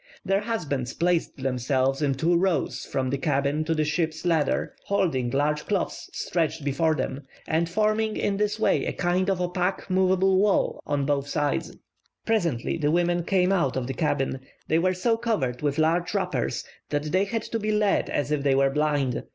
Their husbands placed themselves in two rows from the cabin to the ship's ladder, holding large cloths stretched before them, and forming in this way a kind of opaque moveable wall on both sides. Presently the women came out of the cabin; they were so covered with large wrappers that they had to be led as if they were blind.